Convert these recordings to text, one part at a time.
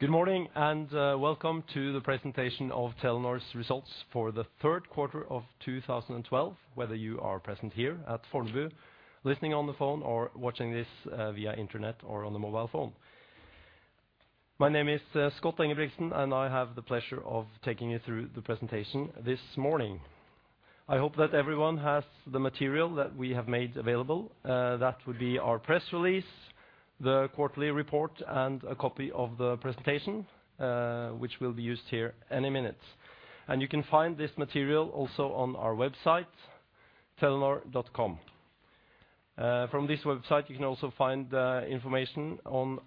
Good morning, and welcome to the presentation of Telenor's results for the third quarter of 2012. Whether you are present here at Fornebu, listening on the phone, or watching this via internet or on the mobile phone. My name is Scott Engebrigtsen, and I have the pleasure of taking you through the presentation this morning. I hope that everyone has the material that we have made available. That would be our press release, the quarterly report, and a copy of the presentation, which will be used here any minute. You can find this material also on our website, Telenor.com. From this website, you can also find information on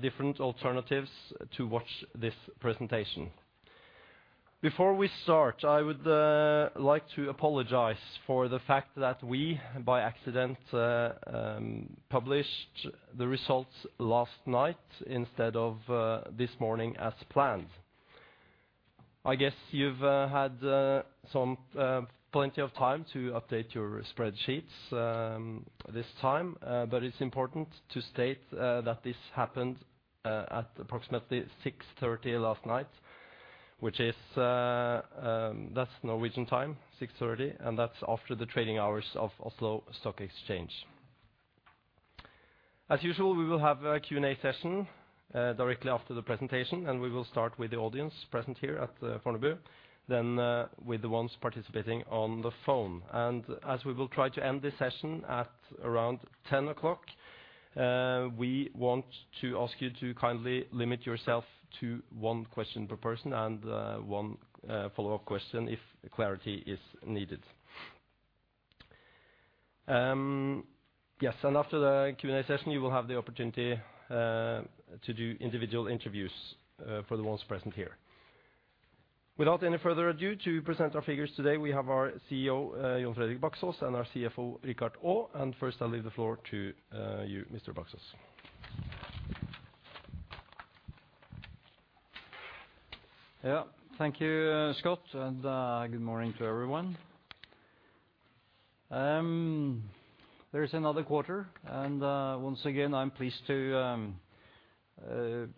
different alternatives to watch this presentation. Before we start, I would like to apologize for the fact that we, by accident, published the results last night instead of this morning as planned. I guess you've had some plenty of time to update your spreadsheets this time. But it's important to state that this happened at approximately 6:30 P.M. last night, which is, that's Norwegian time, 6:30 P.M., and that's after the trading hours of Oslo Stock Exchange. As usual, we will have a Q&A session directly after the presentation, and we will start with the audience present here at Fornebu, then with the ones participating on the phone. As we will try to end this session at around 10:00, we want to ask you to kindly limit yourself to one question per person, and one follow-up question if clarity is needed. Yes, and after the Q&A session, you will have the opportunity to do individual interviews for the ones present here. Without any further ado, to present our figures today, we have our CEO, Jon Fredrik Baksaas, and our CFO, Richard Aa. And first, I'll leave the floor to you, Mr. Baksaas. Yeah. Thank you, Scott, and good morning to everyone. There is another quarter, and once again, I'm pleased to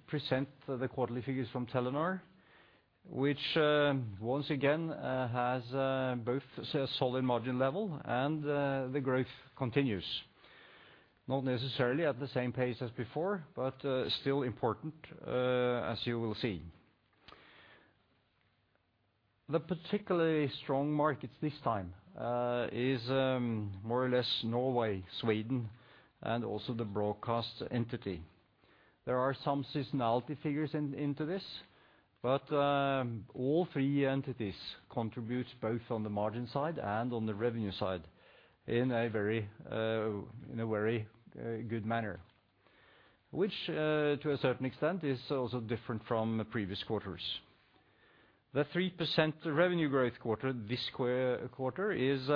present the quarterly figures from Telenor. Which once again has both a solid margin level and the growth continues. Not necessarily at the same pace as before, but still important as you will see. The particularly strong markets this time is more or less Norway, Sweden, and also the Broadcast entity. There are some seasonality figures into this, but all three entities contribute both on the margin side and on the revenue side in a very good manner, which to a certain extent is also different from the previous quarters. The 3% revenue growth quarter, this quarter, is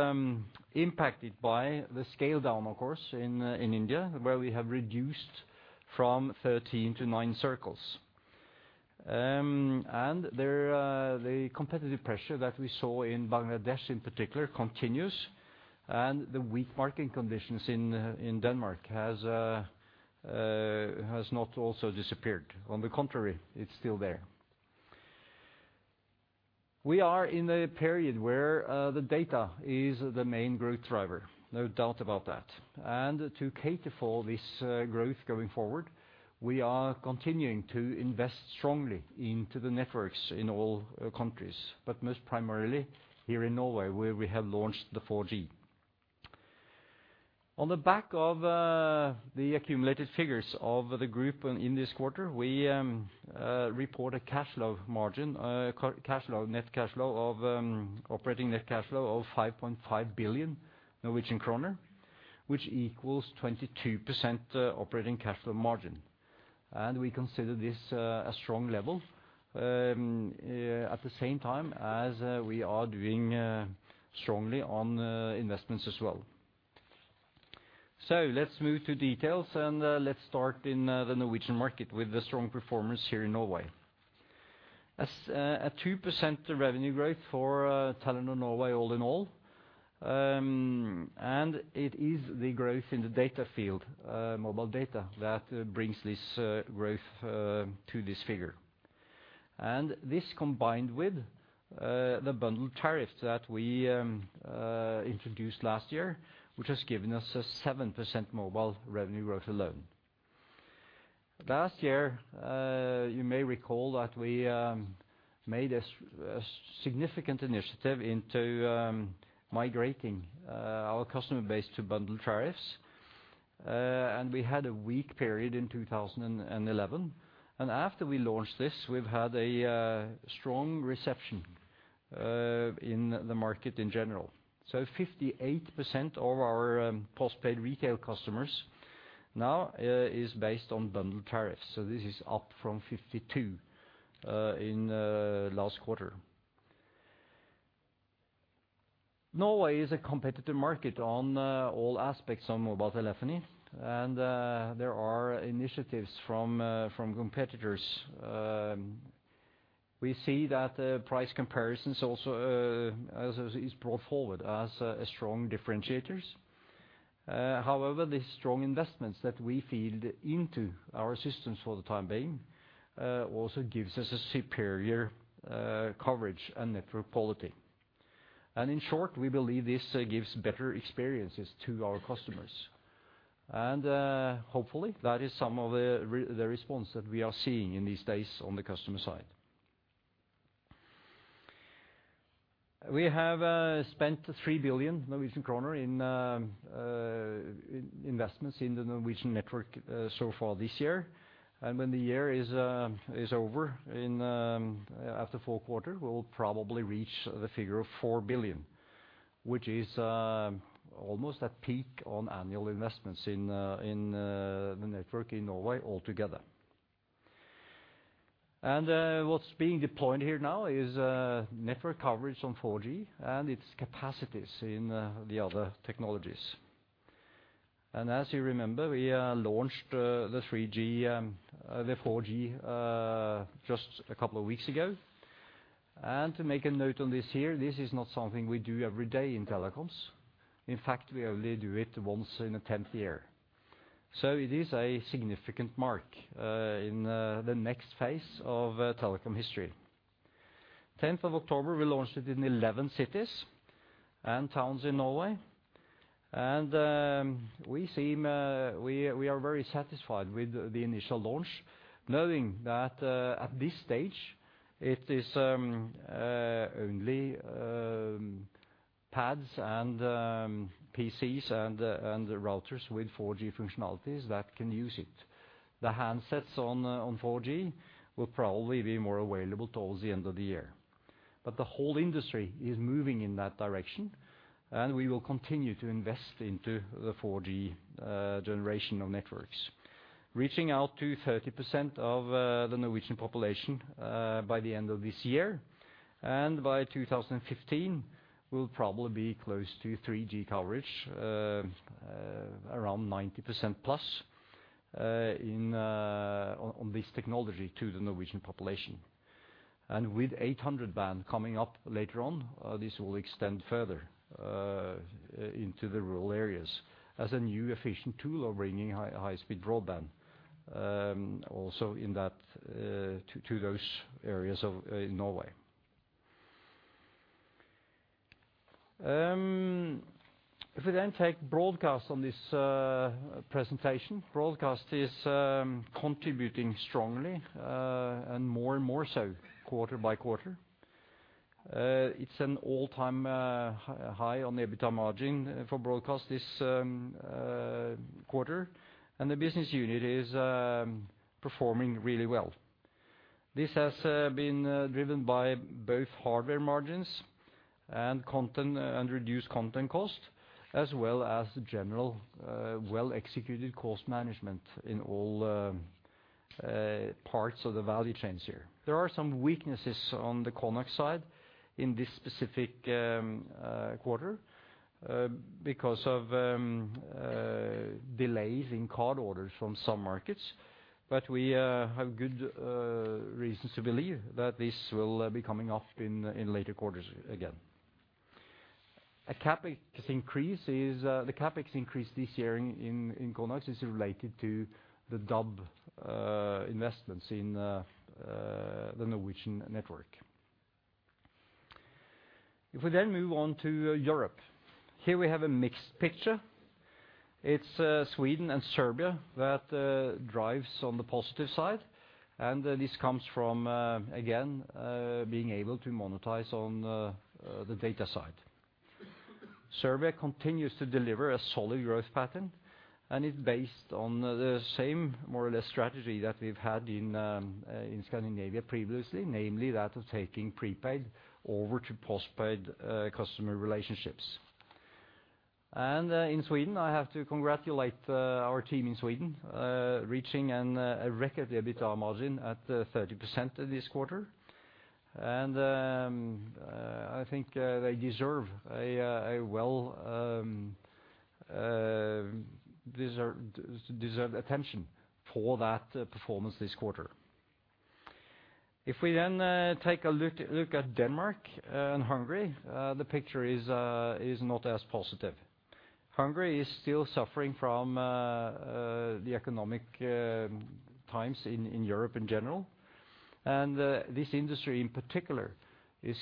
impacted by the scale down, of course, in India, where we have reduced from 13 to 9 circles. And there, the competitive pressure that we saw in Bangladesh, in particular, continues, and the weak market conditions in Denmark has not also disappeared. On the contrary, it's still there. We are in a period where the data is the main growth driver, no doubt about that. And to cater for this growth going forward, we are continuing to invest strongly into the networks in all countries, but most primarily here in Norway, where we have launched the 4G. On the back of the accumulated figures of the group in this quarter, we report a cash flow margin, cash flow, net cash flow of operating net cash flow of 5.5 billion Norwegian kroner, which equals 22%, operating cash flow margin. And we consider this a strong level, at the same time as we are doing strongly on investments as well. So let's move to details, and let's start in the Norwegian market with the strong performance here in Norway. As a 2% revenue growth for Telenor Norway, all in all, and it is the growth in the data field, mobile data, that brings this growth to this figure. And this, combined with, the bundled tariffs that we, introduced last year, which has given us a 7% mobile revenue growth alone. Last year, you may recall that we, made a significant initiative into, migrating, our customer base to bundled tariffs. And we had a weak period in 2011, and after we launched this, we've had a strong reception, in the market in general. So 58% of our, postpaid retail customers now, is based on bundled tariffs, so this is up from 52%, in last quarter. Norway is a competitive market on all aspects on mobile telephony, and there are initiatives from from competitors. We see that price comparisons also as is brought forward as strong differentiators. However, the strong investments that we feed into our systems for the time being also gives us a superior coverage and network quality. And in short, we believe this gives better experiences to our customers. And hopefully, that is some of the the response that we are seeing in these days on the customer side. We have spent 3 billion Norwegian kroner in investments in the Norwegian network so far this year. And when the year is over, after fourth quarter, we'll probably reach the figure of 4 billion, which is almost at peak on annual investments in the network in Norway altogether. And what's being deployed here now is network coverage on 4G and its capacities in the other technologies. As you remember, we launched the 3G, the 4G just a couple of weeks ago. To make a note on this here, this is not something we do every day in telecoms. In fact, we only do it once in a tenth year. So it is a significant mark in the next phase of telecom history. Tenth of October, we launched it in 11 cities and towns in Norway, and we are very satisfied with the initial launch, knowing that at this stage, it is only pads and PCs and routers with 4G functionalities that can use it. The handsets on 4G will probably be more available towards the end of the year. But the whole industry is moving in that direction, and we will continue to invest into the 4G generation of networks, reaching out to 30% of the Norwegian population by the end of this year, and by 2015, we'll probably be close to 3G coverage around 90% plus in on this technology to the Norwegian population. And with 800 band coming up later on, this will extend further into the rural areas as a new efficient tool of bringing high high-speed broadband also in that to those areas of Norway. If we then take Broadcast on this presentation, Broadcast is contributing strongly and more and more so quarter by quarter. It's an all-time high on the EBITDA margin for Broadcast this quarter, and the business unit is performing really well. This has been driven by both hardware margins and content, and reduced content cost, as well as general well-executed cost management in all parts of the value chains here. There are some weaknesses on the Conax side in this specific quarter because of delays in card orders from some markets, but we have good reasons to believe that this will be coming up in later quarters again. A CapEx increase is the CapEx increase this year in Conax is related to the DAB investments in the Norwegian network. If we then move on to Europe, here we have a mixed picture. It's Sweden and Serbia that drives on the positive side, and this comes from again being able to monetize on the data side. Serbia continues to deliver a solid growth pattern, and it's based on the same, more or less, strategy that we've had in Scandinavia previously, namely that of taking prepaid over to postpaid customer relationships. In Sweden, I have to congratulate our team in Sweden reaching a record EBITDA margin at 30% this quarter. I think they deserve a well deserved attention for that performance this quarter. If we take a look at Denmark and Hungary, the picture is not as positive. Hungary is still suffering from the economic times in Europe in general. This industry in particular is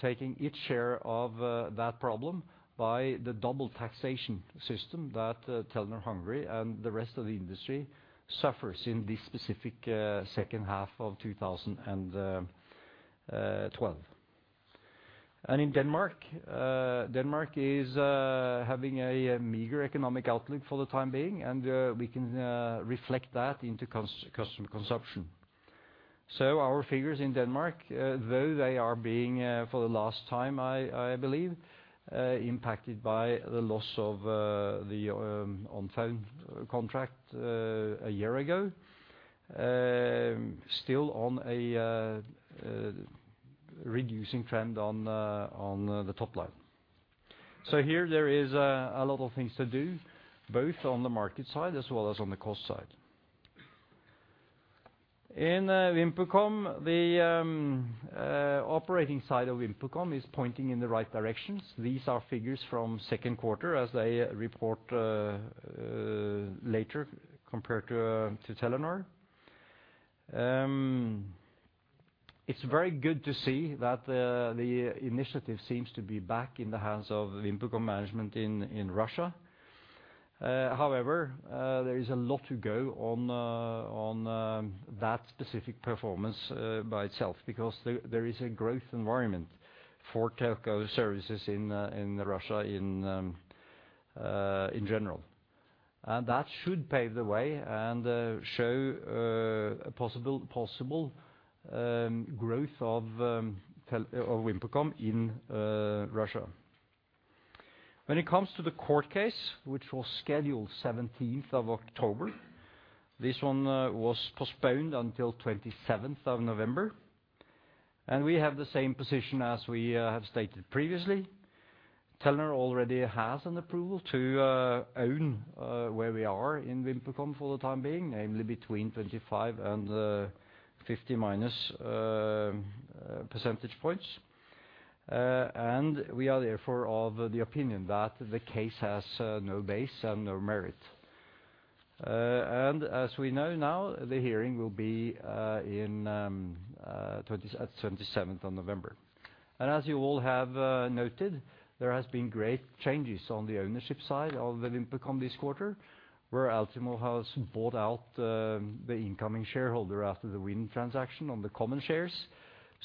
taking its share of that problem by the double taxation system that Telenor Hungary and the rest of the industry suffers in this specific second half of 2012. In Denmark, Denmark is having a meager economic outlook for the time being, and we can reflect that into customer consumption. So our figures in Denmark, though they are being, for the last time, I believe, impacted by the loss of the iPhone contract a year ago, still on a reducing trend on the top line. So here there is a lot of things to do, both on the market side as well as on the cost side. In VimpelCom, the operating side of VimpelCom is pointing in the right directions. These are figures from second quarter as they report later compared to Telenor. It's very good to see that the initiative seems to be back in the hands of VimpelCom management in Russia. However, there is a lot to go on that specific performance by itself, because there is a growth environment for telco services in general. And that should pave the way and show a possible growth of VimpelCom in Russia. When it comes to the court case, which was scheduled 17th of October, this one was postponed until 27th of November, and we have the same position as we have stated previously. Telenor already has an approval to own where we are in VimpelCom for the time being, namely between 25 and 50 percentage points. And we are therefore of the opinion that the case has no basis and no merit. And as we know now, the hearing will be in 27th of November. And as you all have noted, there has been great changes on the ownership side of VimpelCom this quarter, where Altimo has bought out the incoming shareholder after the Wind transaction on the common shares.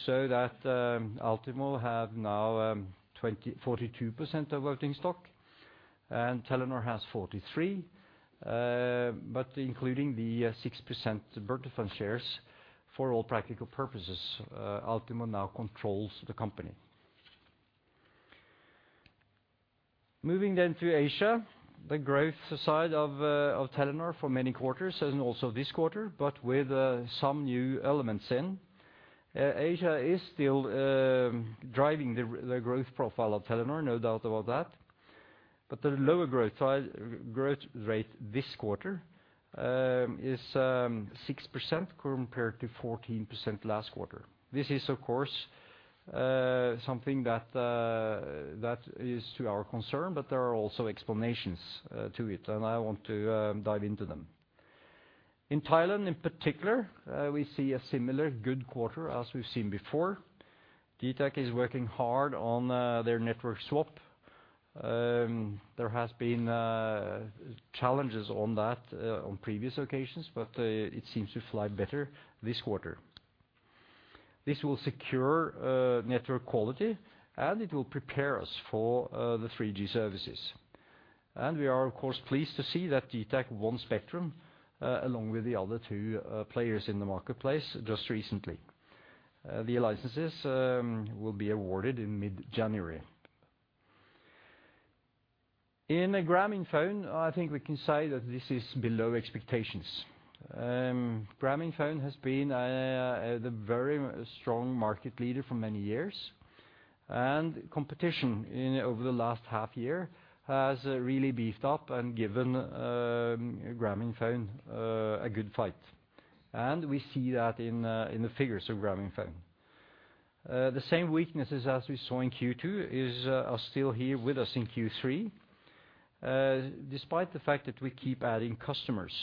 So that Altimo have now 42% of voting stock, and Telenor has 43, but including the 6% Bertofan shares, for all practical purposes Altimo now controls the company. Moving then to Asia, the growth side of of Telenor for many quarters, and also this quarter, but with some new elements in. Asia is still driving the the growth profile of Telenor, no doubt about that. But the lower growth side, growth rate this quarter is 6% compared to 14% last quarter. This is, of course, something that is to our concern, but there are also explanations to it, and I want to dive into them. In Thailand, in particular, we see a similar good quarter as we've seen before. DTAC is working hard on their network swap. There has been challenges on that on previous occasions, but it seems to fly better this quarter. This will secure network quality, and it will prepare us for the 3G services. And we are, of course, pleased to see that DTAC won spectrum along with the other two players in the marketplace just recently. The licenses will be awarded in mid-January. In Grameenphone, I think we can say that this is below expectations. Grameenphone has been the very strong market leader for many years, and competition intensified over the last half year has really beefed up and given Grameenphone a good fight. We see that in the figures of Grameenphone. The same weaknesses as we saw in Q2 are still here with us in Q3, despite the fact that we keep adding customers,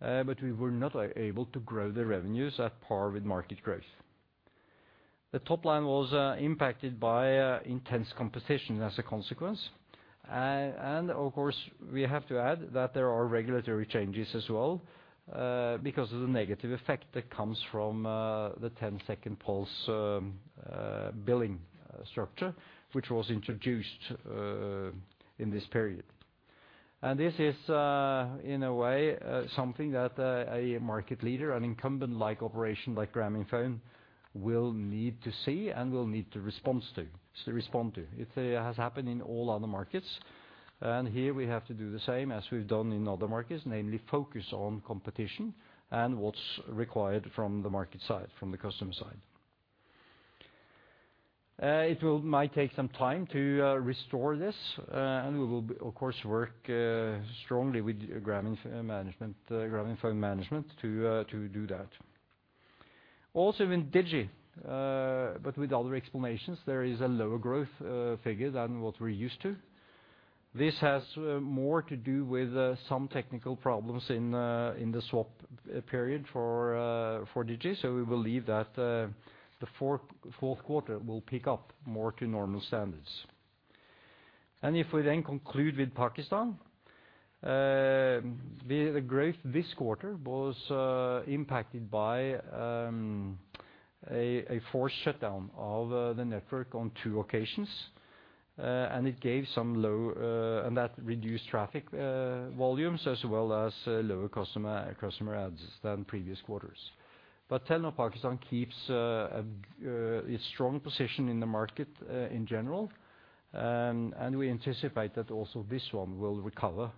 but we were not able to grow the revenues at par with market growth. The top line was impacted by intense competition as a consequence. Of course, we have to add that there are regulatory changes as well, because of the negative effect that comes from the ten-second pulse billing structure, which was introduced in this period. This is, in a way, something that a market leader, an incumbent-like operation like Grameenphone, will need to see and will need to respond to. It has happened in all other markets, and here we have to do the same as we've done in other markets, namely focus on competition and what's required from the market side, from the customer side. It might take some time to restore this, and we will, of course, work strongly with Grameenphone management to do that. Also in DiGi, but with other explanations, there is a lower growth figure than what we're used to. This has more to do with some technical problems in the swap period for DiGi. So we believe that the fourth quarter will pick up more to normal standards. And if we then conclude with Pakistan, the growth this quarter was impacted by a forced shutdown of the network on two occasions. And it gave some low. And that reduced traffic volumes, as well as lower customer adds than previous quarters. But Telenor Pakistan keeps its strong position in the market in general, and we anticipate that also this one will recover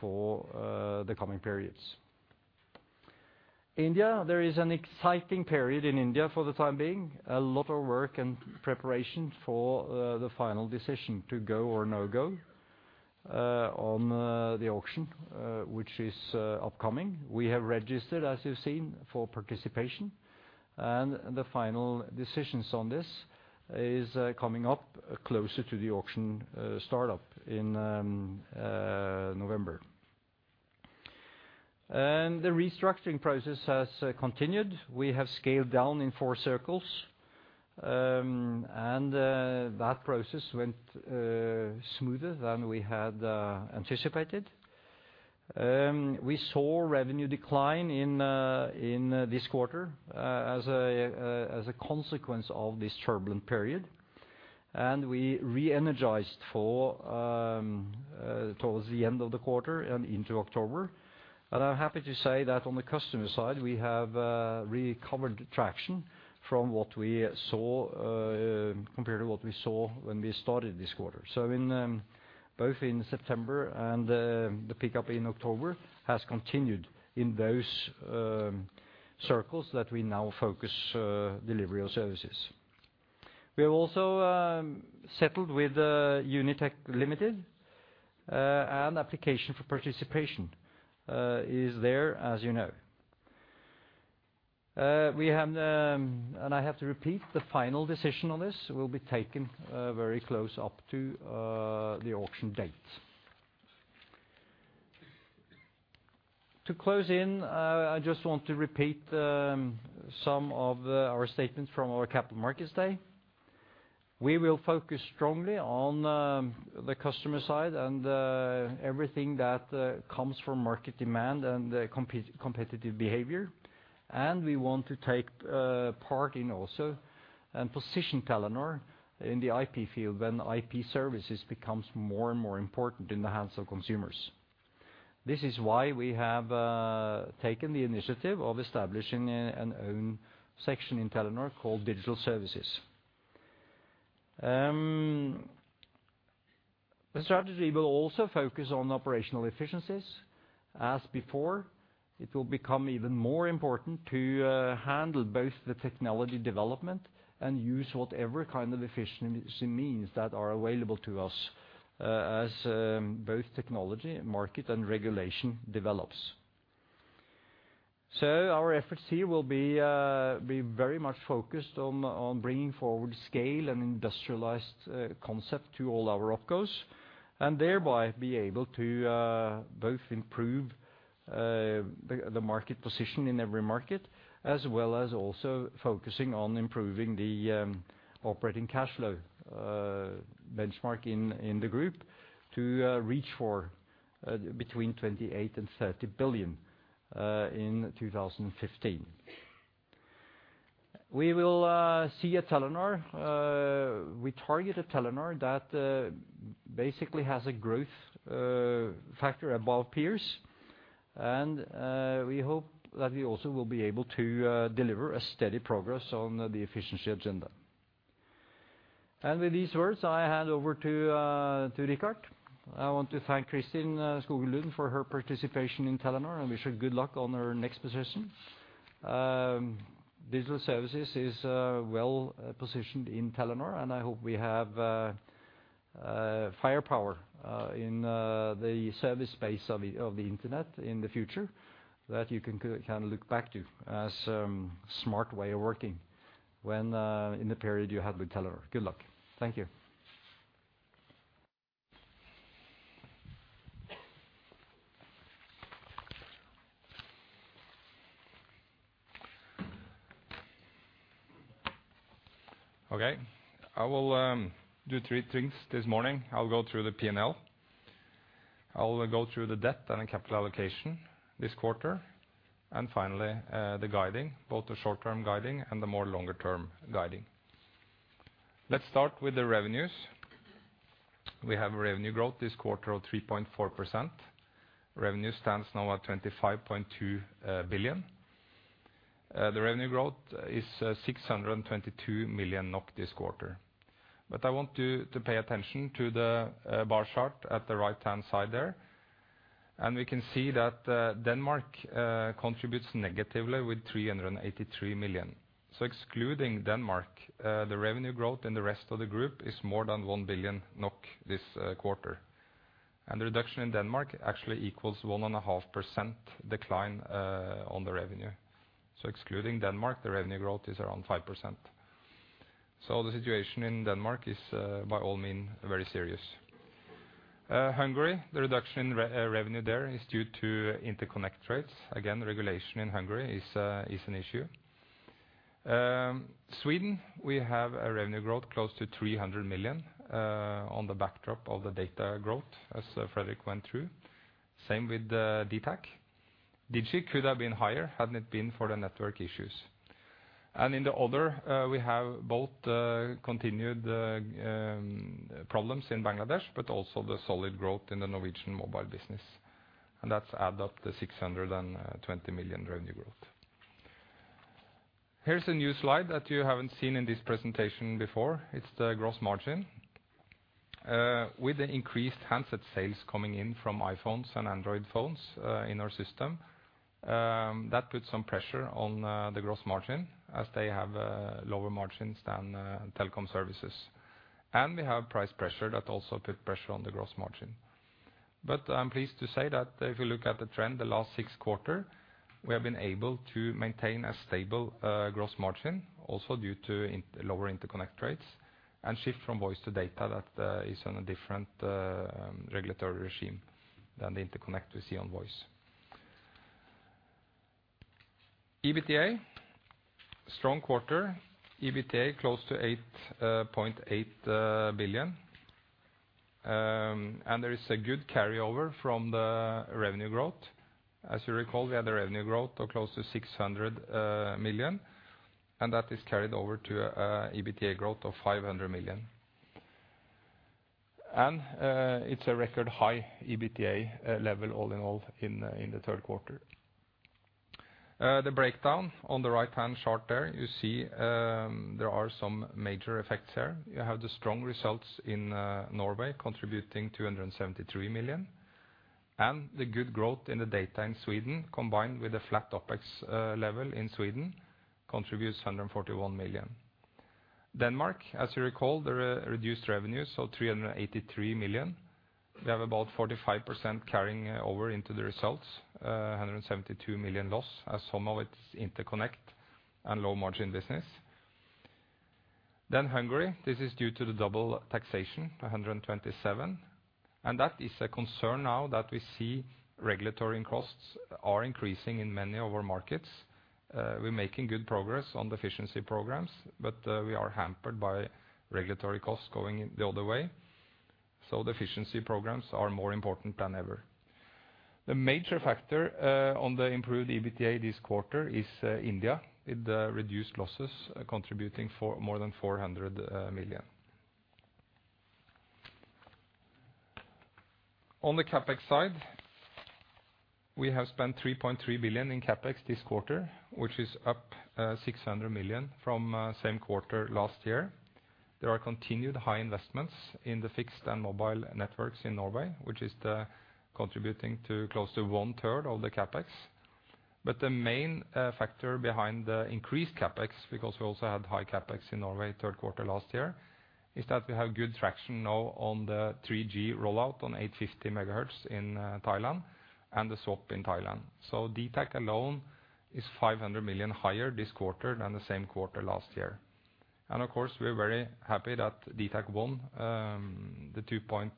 for the coming periods. India, there is an exciting period in India for the time being. A lot of work and preparation for the final decision to go or no-go on the auction which is upcoming. We have registered, as you've seen, for participation, and the final decisions on this is coming up closer to the auction startup in November. The restructuring process has continued. We have scaled down in four circles, and that process went smoother than we had anticipated. We saw revenue decline in this quarter as a consequence of this turbulent period, and we reenergized for towards the end of the quarter and into October. I'm happy to say that on the customer side, we have recovered traction from what we saw compared to what we saw when we started this quarter. So in both in September and the pickup in October has continued in those circles that we now focus delivery of services. We have also settled with Unitech Limited, and an application for participation is there, as you know. I have to repeat, the final decision on this will be taken very close up to the auction date. To close in, I just want to repeat some of our statements from our Capital Markets Day. We will focus strongly on the customer side and everything that comes from market demand and the competitive behavior. We want to take part in also, and position Telenor in the IP field when IP services becomes more and more important in the hands of consumers. This is why we have taken the initiative of establishing our own section in Telenor called Digital Services. The strategy will also focus on operational efficiencies. As before, it will become even more important to handle both the technology development and use whatever kind of efficiency means that are available to us, as both technology, market, and regulation develops. So our efforts here will be very much focused on bringing forward scale and industrialized concept to all our OpCos, and thereby be able to both improve the market position in every market, as well as also focusing on improving the operating cash flow benchmark in the group to reach for between 28 billion and 30 billion in 2015. We will see a Telenor, we target a Telenor that basically has a growth factor above peers, and we hope that we also will be able to deliver a steady progress on the efficiency agenda. And with these words, I hand over to Richard Aa. I want to thank Kristin Skogen Lund for her participation in Telenor and wish her good luck on her next position. Digital Services is well positioned in Telenor, and I hope we have firepower in the service space of the internet in the future that you can look back to as smart way of working when in the period you had with Telenor. Good luck. Thank you. Okay, I will do three things this morning. I'll go through the P&L, I'll go through the debt and the capital allocation this quarter, and finally, the guiding, both the short-term guiding and the more longer-term guiding. Let's start with the revenues. We have revenue growth this quarter of 3.4%. Revenue stands now at 25.2 billion. The revenue growth is 622 million NOK this quarter. But I want you to pay attention to the bar chart at the right-hand side there. And we can see that Denmark contributes negatively with 383 million. So excluding Denmark, the revenue growth in the rest of the group is more than 1 billion NOK this quarter. And the reduction in Denmark actually equals 1.5% decline on the revenue. So excluding Denmark, the revenue growth is around 5%. The situation in Denmark is, by all means, very serious. Hungary, the reduction in revenue there is due to interconnect rates. Again, regulation in Hungary is an issue. Sweden, we have a revenue growth close to 300 million on the backdrop of the data growth, as Fredrik went through. Same with DTAC. DiGi could have been higher hadn't it been for the network issues. And in the other, we have both continued problems in Bangladesh, but also the solid growth in the Norwegian mobile business, and that's add up to 620 million revenue growth. Here's a new slide that you haven't seen in this presentation before. It's the gross margin. With the increased handset sales coming in from iPhones and Android phones in our system, that puts some pressure on the gross margin as they have lower margins than telecom services. And we have price pressure that also put pressure on the gross margin. But I'm pleased to say that if you look at the trend, the last six quarters, we have been able to maintain a stable gross margin, also due to lower interconnect rates and shift from voice to data that is on a different regulatory regime than the interconnect we see on voice. EBITDA, strong quarter. EBITDA close to 8.8 billion. And there is a good carryover from the revenue growth. As you recall, we had a revenue growth of close to 600 million, and that is carried over to EBITDA growth of 500 million. It's a record high EBITDA level all in all in the third quarter. The breakdown on the right-hand chart there, you see, there are some major effects here. You have the strong results in Norway contributing 273 million, and the good growth in the data in Sweden, combined with a flat OpEx level in Sweden, contributes 141 million. Denmark, as you recall, there are reduced revenues, so 383 million. We have about 45% carrying over into the results, 172 million loss, as some of it's interconnect and low-margin business. Then Hungary, this is due to the double taxation, 127 million. That is a concern now that we see regulatory costs are increasing in many of our markets. We're making good progress on the efficiency programs, but we are hampered by regulatory costs going the other way. The efficiency programs are more important than ever. The major factor on the improved EBITDA this quarter is India, with the reduced losses contributing for more than 400 million. On the CapEx side, we have spent 3.3 billion in CapEx this quarter, which is up 600 million from same quarter last year. There are continued high investments in the fixed and mobile networks in Norway, which are contributing to close to one third of the CapEx. But the main factor behind the increased CapEx, because we also had high CapEx in Norway third quarter last year, is that we have good traction now on the 3G rollout on 850 MHz in Thailand, and the swap in Thailand. So DTAC alone is 500 million higher this quarter than the same quarter last year. And of course, we're very happy that DTAC won the 2.1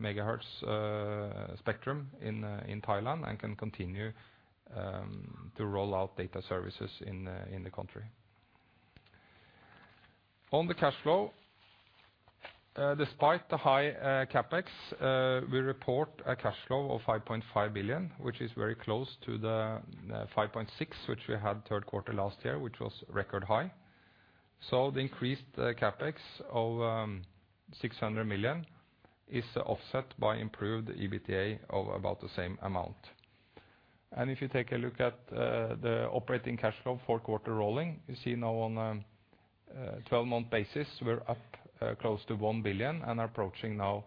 GHz spectrum in Thailand, and can continue to roll out data services in the country. On the cash flow, despite the high CapEx, we report a cash flow of 5.5 billion, which is very close to the 5.6 billion, which we had third quarter last year, which was record high. So the increased CapEx of 600 million is offset by improved EBITDA of about the same amount. And if you take a look at the operating cash flow for quarter rolling, you see now on a 12-month basis, we're up close to 1 billion and approaching now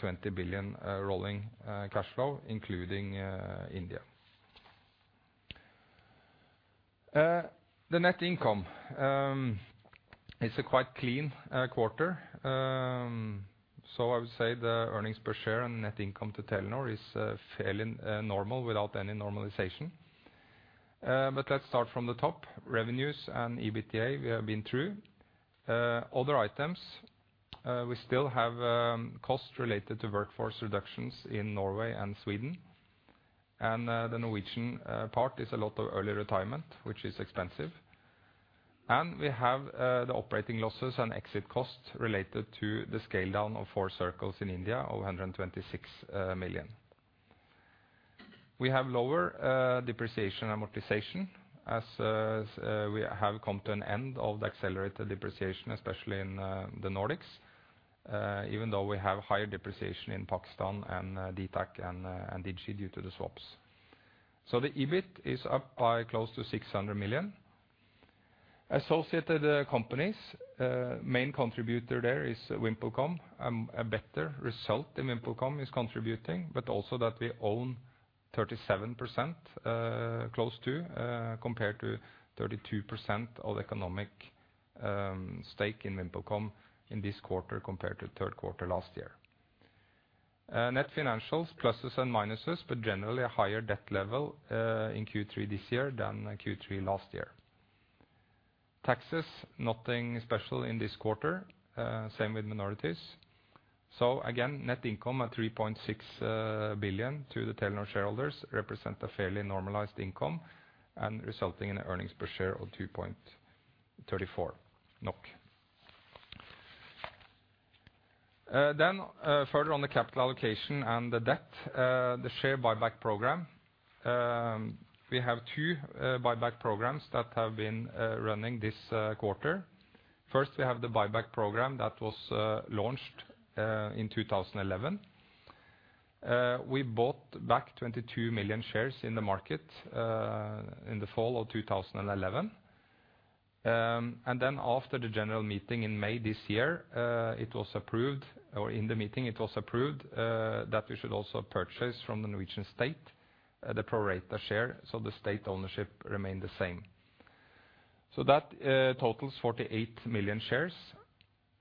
20 billion rolling cash flow, including India. The net income is a quite clean quarter. So I would say the earnings per share and net income to Telenor is fairly normal without any normalization. But let's start from the top. Revenues and EBITDA we have been through. Other items we still have costs related to workforce reductions in Norway and Sweden, and the Norwegian part is a lot of early retirement, which is expensive. We have the operating losses and exit costs related to the scale down of four circles in India of 126 million. We have lower depreciation amortization, as we have come to an end of the accelerated depreciation, especially in the Nordics, even though we have higher depreciation in Pakistan and DTAC and DiGi due to the swaps. So the EBIT is up by close to 600 million. Associated companies, main contributor there is VimpelCom. A better result in VimpelCom is contributing, but also that we own 37%, close to, compared to 32% of the economic stake in VimpelCom in this quarter, compared to the third quarter last year. Net financials, pluses and minuses, but generally a higher debt level in Q3 this year than Q3 last year. Taxes, nothing special in this quarter, same with minorities. So again, net income at 3.6 billion to the Telenor shareholders represent a fairly normalized income and resulting in an earnings per share of NOK 2.34. Then, further on the capital allocation and the debt, the share buyback program. We have two buyback programs that have been running this quarter. First, we have the buyback program that was launched in 2011. We bought back 22 million shares in the market in the fall of 2011. And then after the general meeting in May this year, it was approved, or in the meeting, it was approved, that we should also purchase from the Norwegian state the pro rata share, so the state ownership remained the same. So that totals 48 million shares,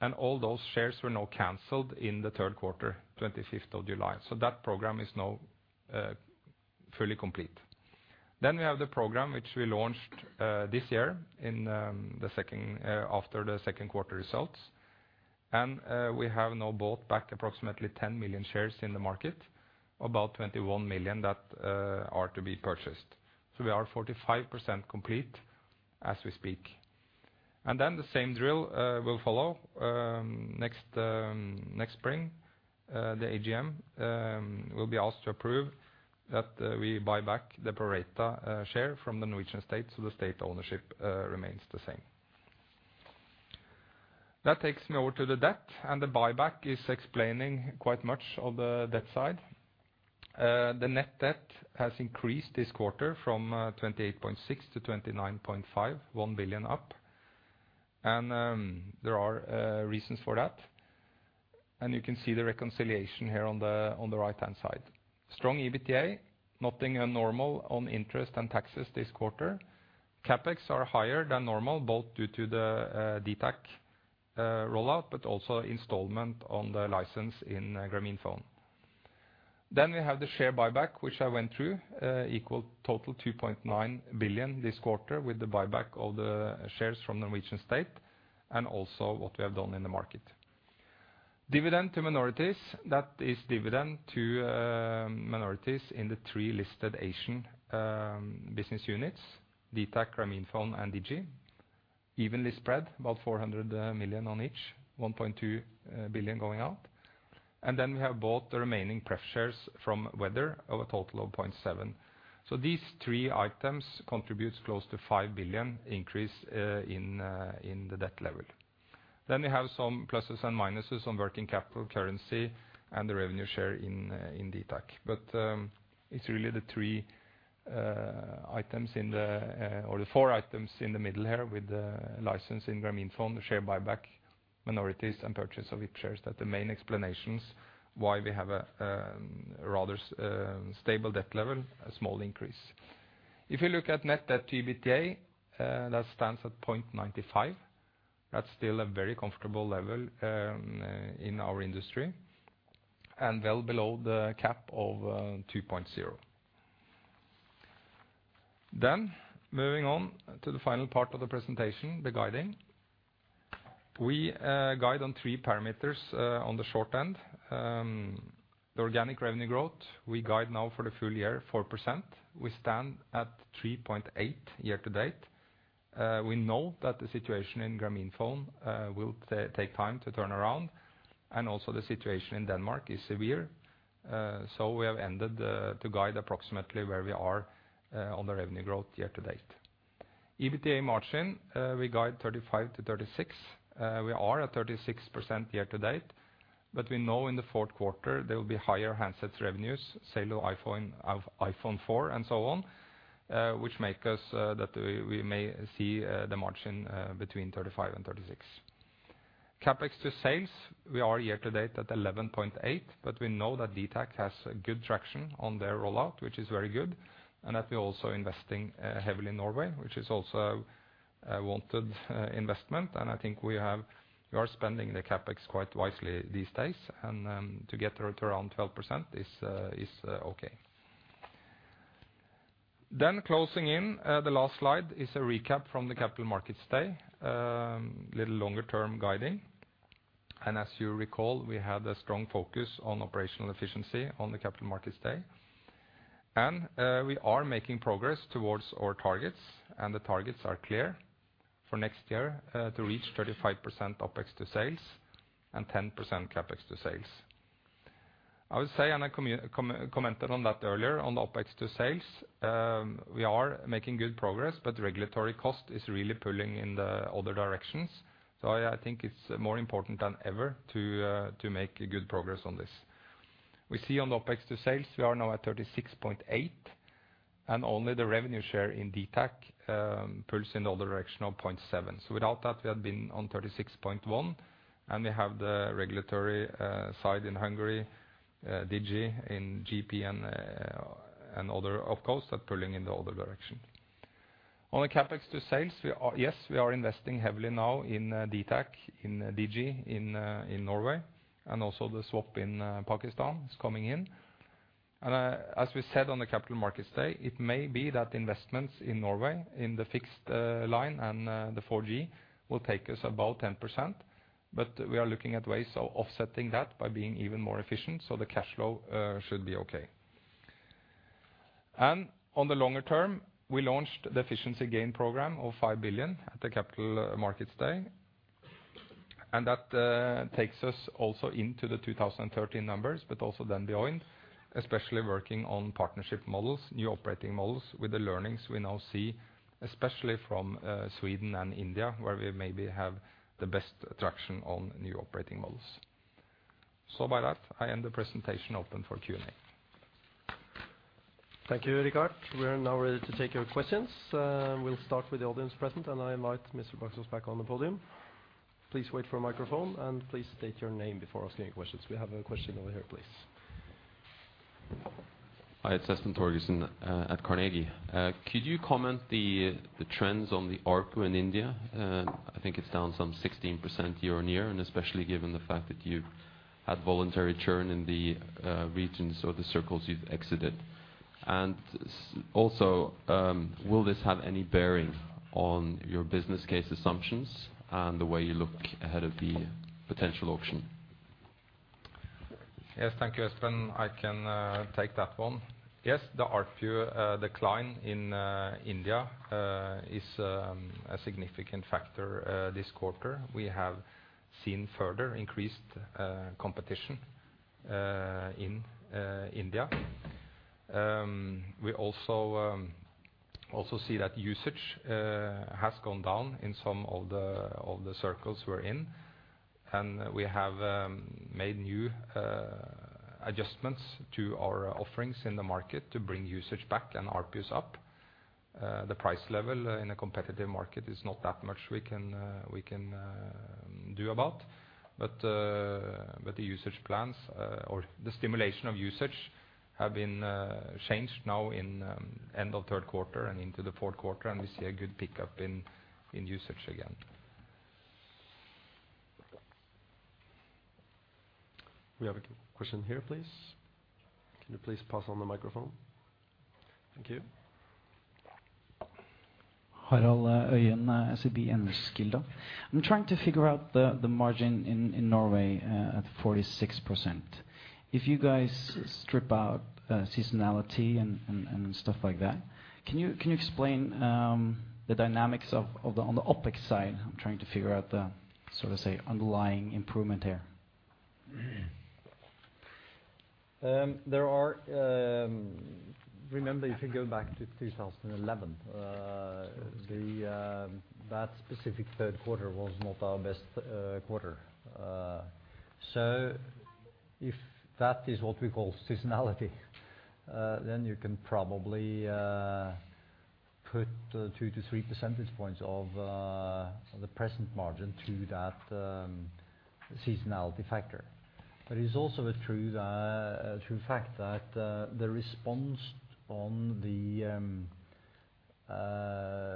and all those shares were now canceled in the third quarter, 25th of July. So that program is now fully complete. Then we have the program which we launched this year, in the second after the second quarter results. And we have now bought back approximately 10 million shares in the market, about 21 million that are to be purchased. So we are 45% complete as we speak. And then the same drill will follow next spring, the AGM will be asked to approve that we buy back the pro rata share from the Norwegian state, so the state ownership remains the same. That takes me over to the debt, and the buyback is explaining quite much of the debt side. The net debt has increased this quarter from 28.6 to 29.5, 1 billion up, and there are reasons for that. You can see the reconciliation here on the right-hand side. Strong EBITDA, nothing abnormal on interest and taxes this quarter. CapEx are higher than normal, both due to the DTAC rollout, but also installment on the license in Grameenphone. Then we have the share buyback, which I went through, equal total 2.9 billion this quarter, with the buyback of the shares from Norwegian state and also what we have done in the market. Dividend to minorities, that is dividend to minorities in the three listed Asian business units, DTAC, Grameenphone, and DiGi. Evenly spread, about 400 million on each, 1.2 billion going out. And then we have bought the remaining pref shares from Weather of a total of 0.7. So these three items contributes close to 5 billion increase in the debt level. Then we have some pluses and minuses on working capital, currency, and the revenue share in DTAC. But, it's really the three items in the or the four items in the middle here, with the license in Grameenphone, the share buyback, minorities, and purchase of Weather shares, that the main explanations why we have a rather stable debt level, a small increase. If you look at net debt to EBITDA, that stands at 0.95. That's still a very comfortable level in our industry, and well below the cap of 2.0. Then, moving on to the final part of the presentation, the guiding. We guide on three parameters on the short end. The organic revenue growth, we guide now for the full year, 4%. We stand at 3.8% year to date. We know that the situation in Grameenphone will take time to turn around, and also the situation in Denmark is severe. So we have ended to guide approximately where we are on the revenue growth year to date. EBITDA margin, we guide 35%-36%. We are at 36% year to date, but we know in the fourth quarter there will be higher handsets revenues, sale of iPhone, of iPhone 4, and so on, which make us that we, we may see the margin between 35%-36%. CapEx to sales, we are year to date at 11.8, but we know that DTAC has good traction on their rollout, which is very good, and that we are also investing heavily in Norway, which is also a wanted investment. I think we are spending the CapEx quite wisely these days. To get it around 12% is okay. Then closing in the last slide is a recap from the Capital Markets Day, little longer term guiding. As you recall, we had a strong focus on operational efficiency on the Capital Markets Day. We are making progress towards our targets, and the targets are clear for next year to reach 35% OpEx to sales and 10% CapEx to sales. I would say, and I commented on that earlier, on the OpEx to sales, we are making good progress, but regulatory cost is really pulling in the other directions. So I think it's more important than ever to make good progress on this. We see on the OpEx to sales, we are now at 36.8, and only the revenue share in DTAC pulls in the other direction of 0.7. So without that, we had been on 36.1, and we have the regulatory side in Hungary, DiGi in GP and other op costs are pulling in the other direction. On the CapEx to sales, we are investing heavily now in DTAC, in DiGi, in Norway, and also the swap in Pakistan is coming in. As we said on the Capital Markets Day, it may be that investments in Norway, in the fixed line and the 4G will take us about 10%, but we are looking at ways of offsetting that by being even more efficient, so the cash flow should be okay. On the longer term, we launched the efficiency gain program of 5 billion at the Capital Markets Day, and that takes us also into the 2013 numbers, but also then beyond, especially working on partnership models, new operating models with the learnings we now see, especially from Sweden and India, where we maybe have the best traction on new operating models. By that, I end the presentation open for Q&A. Thank you, Richard. We are now ready to take your questions. We'll start with the audience present, and I invite Mr. Baksaas back on the podium. Please wait for a microphone, and please state your name before asking any questions. We have a question over here, please. Hi, it's Espen Torgersen at Carnegie. Could you comment on the trends on the ARPU in India? I think it's down some 16% year-on-year, and especially given the fact that you had voluntary churn in the regions or the circles you've exited. And also, will this have any bearing on your business case assumptions and the way you look ahead of the potential auction? Yes, thank you, Espen. I can take that one. Yes, the ARPU decline in India is a significant factor this quarter. We have seen further increased competition in India. We also see that usage has gone down in some of the circles we're in, and we have made new adjustments to our offerings in the market to bring usage back and ARPUs up. The price level in a competitive market is not that much we can do about. But the usage plans or the stimulation of usage have been changed now in end of third quarter and into the fourth quarter, and we see a good pickup in usage again. We have a question here, please. Can you please pass on the microphone? Thank you. Harald Øyen, SEB Enskilda. I'm trying to figure out the margin in Norway at 46%. If you guys strip out seasonality and stuff like that, can you explain the dynamics of the OpEx side? I'm trying to figure out the so to say underlying improvement here. Remember, if you go back to 2011, that specific third quarter was not our best quarter. So if that is what we call seasonality, then you can probably put 2-3 percentage points of the present margin to that seasonality factor. But it's also a true fact that the response on the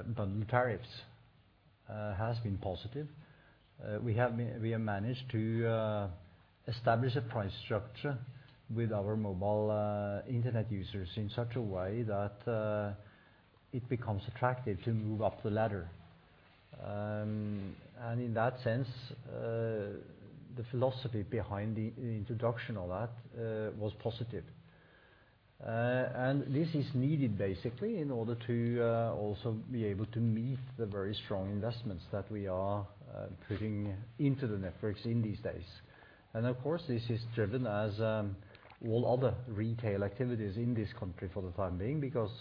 bundled tariffs has been positive. We have managed to establish a price structure with our mobile internet users in such a way that it becomes attractive to move up the ladder. And in that sense, the philosophy behind the introduction of that was positive. And this is needed basically in order to also be able to meet the very strong investments that we are putting into the networks in these days. And of course, this is driven as all other retail activities in this country for the time being, because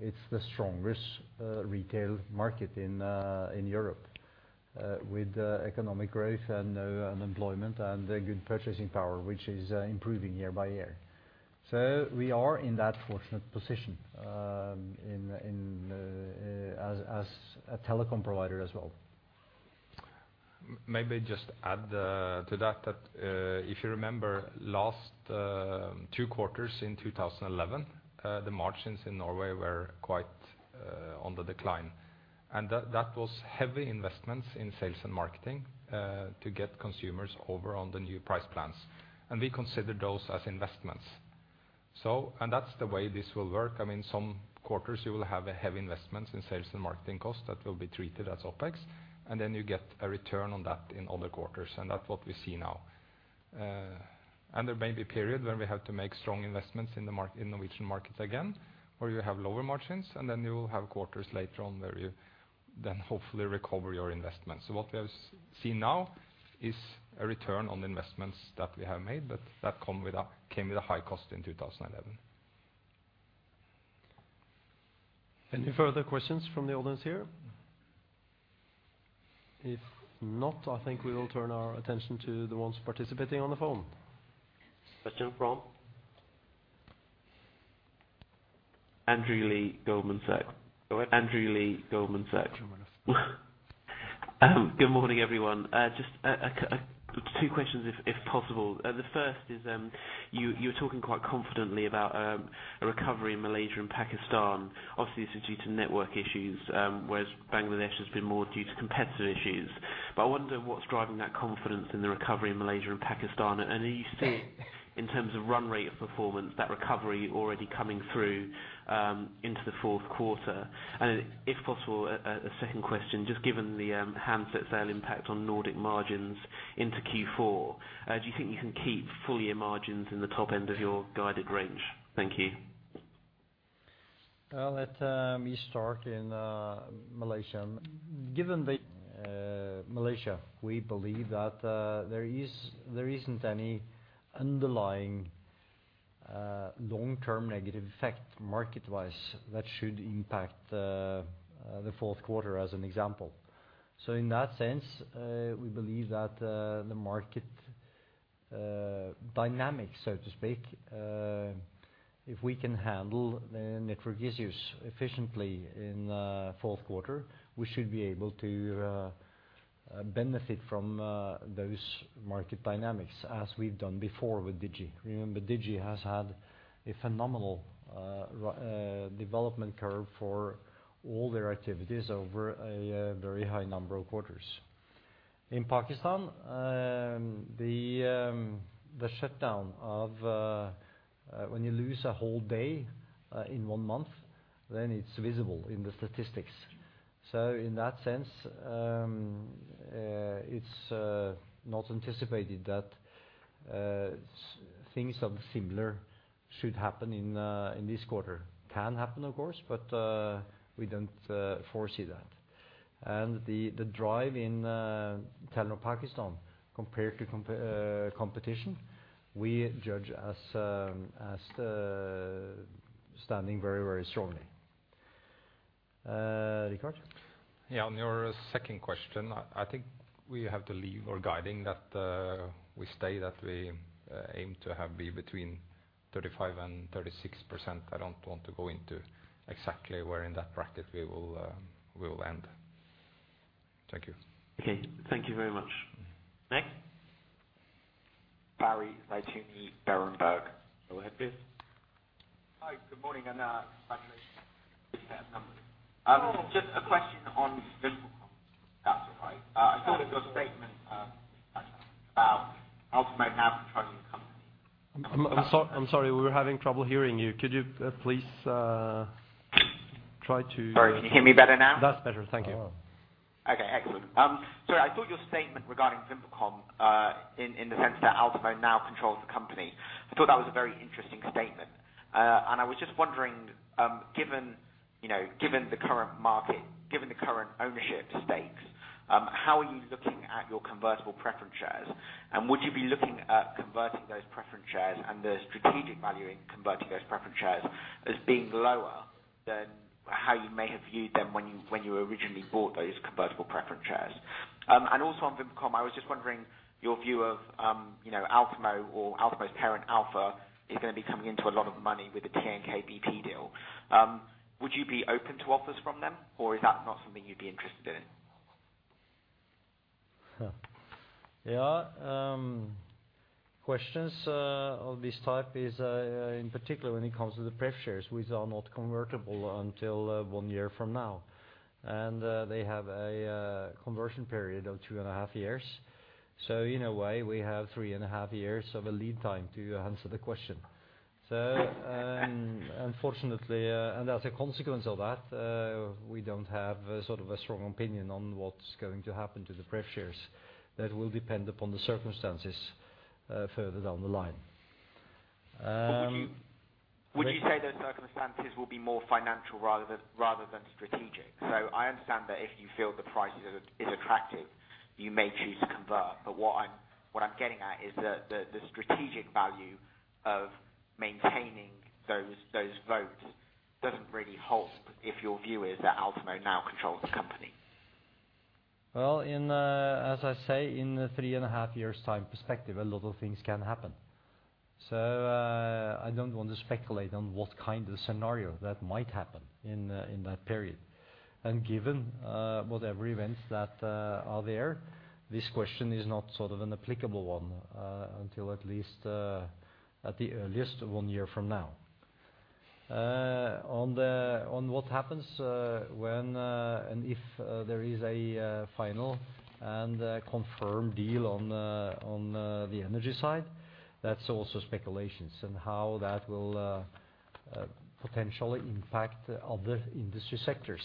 it's the strongest retail market in Europe with economic growth and unemployment and a good purchasing power, which is improving year by year. So we are in that fortunate position as a telecom provider as well. Maybe just add to that, that if you remember, last two quarters in 2011, the margins in Norway were quite on the decline, and that was heavy investments in sales and marketing to get consumers over on the new price plans, and we considered those as investments. So, that's the way this will work. I mean, some quarters, you will have a heavy investment in sales and marketing costs that will be treated as OpEx, and then you get a return on that in other quarters, and that's what we see now. And there may be a period where we have to make strong investments in the Norwegian market again, where you have lower margins, and then you will have quarters later on where you then hopefully recover your investments. So what we are seeing now is a return on the investments that we have made, but that came with a high cost in 2011. Any further questions from the audience here? If not, I think we will turn our attention to the ones participating on the phone. Question from? Andrew Lee, Goldman Sachs. Go ahead. Andrew Lee, Goldman Sachs. Good morning, everyone. Just two questions, if possible. The first is, you are talking quite confidently about a recovery in Malaysia and Pakistan. Obviously, this is due to network issues, whereas Bangladesh has been more due to competitive issues. But I wonder what's driving that confidence in the recovery in Malaysia and Pakistan, and are you seeing, in terms of run rate of performance, that recovery already coming through into the fourth quarter? And if possible, a second question, just given the handset sale impact on Nordic margins into Q4, do you think you can keep full year margins in the top end of your guided range? Thank you. Well, let me start in Malaysia. Given the Malaysia, we believe that there is, there isn't any underlying long-term negative effect, market-wise, that should impact the fourth quarter, as an example. So in that sense, we believe that the market dynamic, so to speak, if we can handle the network issues efficiently in fourth quarter, we should be able to benefit from those market dynamics as we've done before with DiGi. Remember, DiGi has had a phenomenal development curve for all their activities over a very high number of quarters. In Pakistan, the shutdown, when you lose a whole day in one month, then it's visible in the statistics. So in that sense, it's not anticipated that things of similar should happen in this quarter. Can happen, of course, but we don't foresee that. And the drive in Telenor Pakistan, compared to competition, we judge as standing very, very strongly. Richard? Yeah, on your second question, I think we have to leave our guidance at that. We state that we aim to have it be between 35% and 36%. I don't want to go into exactly where in that bracket we will end. Thank you. Okay, thank you very much. Next? Barry Zeitoune, Berenberg. Go ahead, please. Hi, good morning. Just a question on VimpelCom, that's right. I thought your statement about Altimo now controlling the company- I'm sorry, we're having trouble hearing you. Could you please try to- Sorry, can you hear me better now? That's better. Thank you. Yeah. Okay, excellent. So I thought your statement regarding VimpelCom, in the sense that Altimo now controls the company, I thought that was a very interesting statement. And I was just wondering, given, you know, given the current market, given the current ownership stakes, how are you looking at your convertible preference shares? And would you be looking at converting those preference shares and the strategic value in converting those preference shares as being lower than how you may have viewed them when you originally bought those convertible preference shares? And also on VimpelCom, I was just wondering your view of, you know, Altimo or Altimo's parent, Alfa, is gonna be coming into a lot of money with the TNK-BP deal. Would you be open to offers from them, or is that not something you'd be interested in? Yeah, questions of this type is, in particular, when it comes to the pref shares, which are not convertible until one year from now. And they have a conversion period of two and a half years. So in a way, we have three and a half years of a lead time to answer the question. So, unfortunately, and as a consequence of that, we don't have a sort of a strong opinion on what's going to happen to the pref shares. That will depend upon the circumstances further down the line. Would you say those circumstances will be more financial rather than strategic? So I understand that if you feel the price is attractive, you may choose to convert. But what I'm getting at is the strategic value of maintaining those votes doesn't really hold if your view is that Altimo now controls the company. Well, in, as I say, in the 3.5-year time perspective, a lot of things can happen. So, I don't want to speculate on what kind of scenario that might happen in, in that period. And given, whatever events that are there, this question is not sort of an applicable one, until at least, at the earliest, one year from now. On what happens, when, and if, there is a final and confirmed deal on the, on, the energy side, that's also speculations on how that will potentially impact other industry sectors.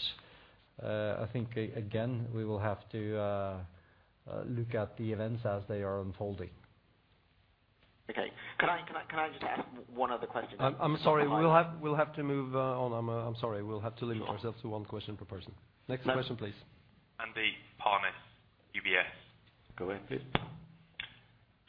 I think again, we will have to look at the events as they are unfolding. Okay. Can I just ask one other question? I'm sorry, we'll have to move on. I'm sorry. We'll have to limit ourselves to one question per person. Next question, please. Andy Parnis, UBS. Go ahead, please.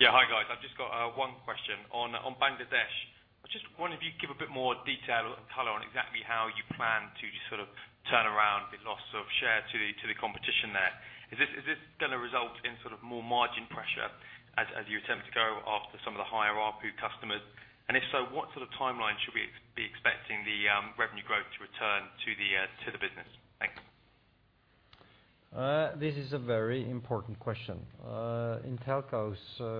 Yeah. Hi, guys. I've just got one question. On Bangladesh, I just wonder if you'd give a bit more detail and color on exactly how you plan to just sort of turn around the loss of share to the competition there. Is this gonna result in sort of more margin pressure as you attempt to go after some of the higher ARPU customers? And if so, what sort of timeline should we expect the revenue growth to return to the business? Thanks. This is a very important question. In telcos,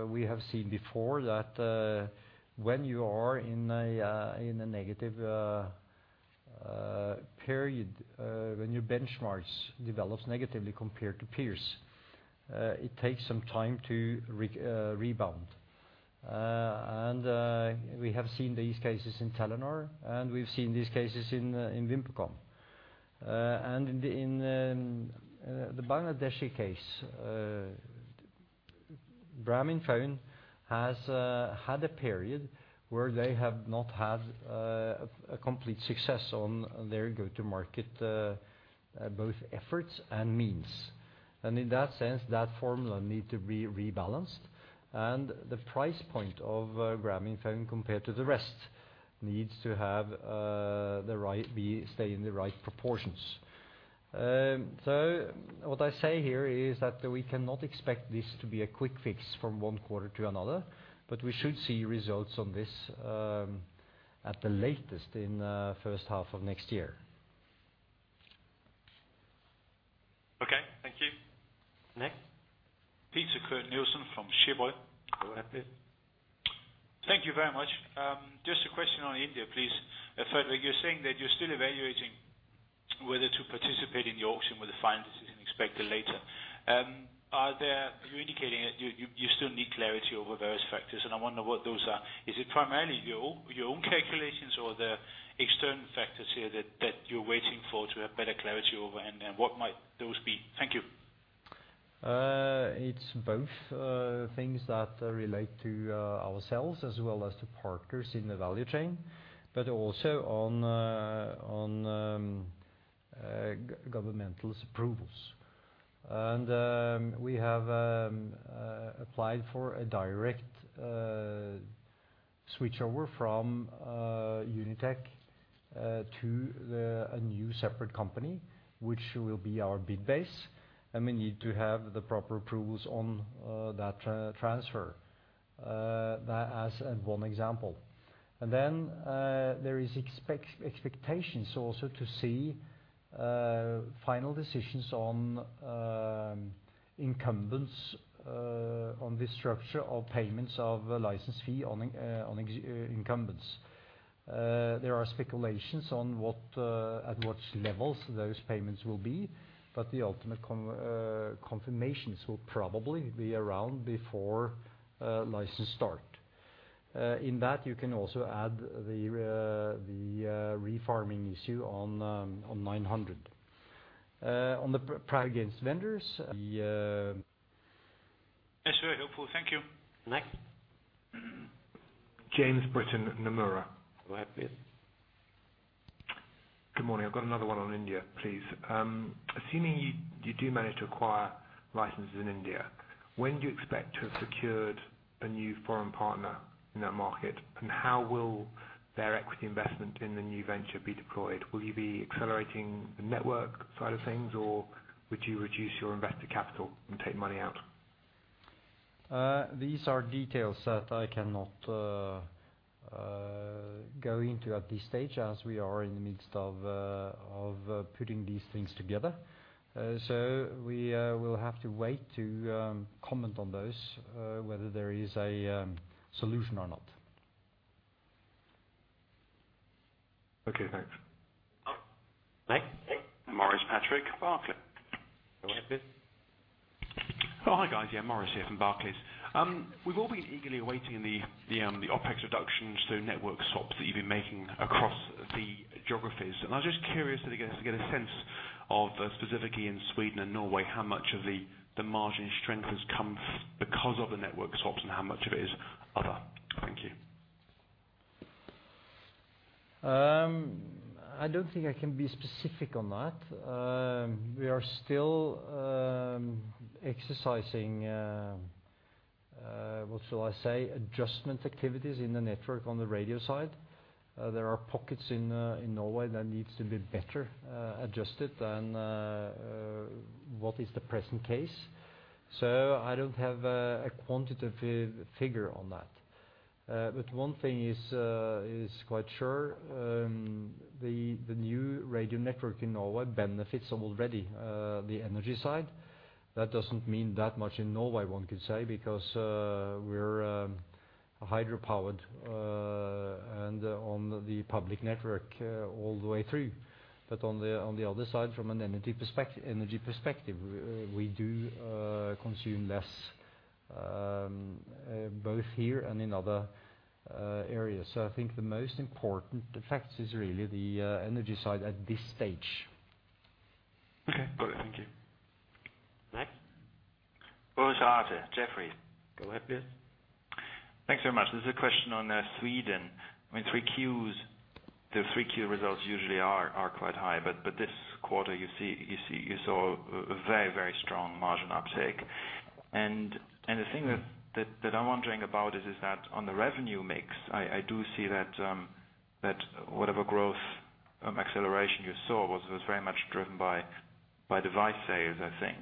we have seen before that, when you are in a negative period, when your benchmarks develops negatively compared to peers, it takes some time to rebound. And we have seen these cases in Telenor, and we've seen these cases in VimpelCom. And in the Bangladeshi case, Grameenphone has had a period where they have not had a complete success on their go-to-market both efforts and means. And in that sense, that formula need to be rebalanced, and the price point of Grameenphone compared to the rest needs to have the right- be, stay in the right proportions. So what I say here is that we cannot expect this to be a quick fix from one quarter to another, but we should see results on this, at the latest in first half of next year. Okay. Thank you. Next? Peter Kurt Nielsen from Cheuvreux. Go ahead, please. Thank you very much. Just a question on India, please. Fredrik, you're saying that you're still evaluating whether to participate in the auction with a final decision expected later. Are there—you're indicating that you still need clarity over various factors, and I wonder what those are. Is it primarily your own calculations or the external factors here that you're waiting for to have better clarity over? And what might those be? Thank you. It's both things that relate to ourselves as well as to partners in the value chain, but also on governmental approvals. We have applied for a direct switchover from Unitech to a new separate company, which will be our bid base, and we need to have the proper approvals on that transfer that as one example. Then there are expectations also to see final decisions on incumbents on the structure of payments of a license fee on incumbents. There are speculations on what at what levels those payments will be, but the ultimate confirmations will probably be around before license start. In that, you can also add the refarming issue on 900. On the private vendors, the- That's very helpful. Thank you. Next? James Britton, Nomura. Go ahead, please. Good morning. I've got another one on India, please. Assuming you do manage to acquire licenses in India, when do you expect to have secured a new foreign partner in that market? And how will their equity investment in the new venture be deployed? Will you be accelerating the network side of things, or would you reduce your investor capital and take money out? These are details that I cannot go into at this stage, as we are in the midst of putting these things together. So we will have to wait to comment on those, whether there is a solution or not. Okay, thanks. Next? Maurice Patrick, Barclays. Go ahead, please. Oh, hi, guys. Yeah, Maurice here from Barclays. We've all been eagerly awaiting the OpEx reductions through network swaps that you've been making across the geographies. I'm just curious to get a sense of, specifically in Sweden and Norway, how much of the margin strength has come because of the network swaps, and how much of it is other? Thank you. I don't think I can be specific on that. We are still exercising, what shall I say, adjustment activities in the network on the radio side. There are pockets in Norway that needs to be better adjusted than what is the present case. So I don't have a quantitative figure on that. But one thing is quite sure, the new radio network in Norway benefits already the energy side. That doesn't mean that much in Norway, one could say, because we're hydropowered and on the public network all the way through. But on the other side, from an energy perspective, energy perspective, we do consume less both here and in other areas. I think the most important fact is really the energy side at this stage. Okay, got it. Thank you. Next? Ulrich Rathe, Jefferies. Go ahead, please. Thanks very much. This is a question on, Sweden. I mean, 3Qs, the 3Q results usually are quite high, but this quarter, you see, you saw a very strong margin uptake. And the thing that I'm wondering about is that on the revenue mix, I do see that whatever growth acceleration you saw was very much driven by device sales, I think.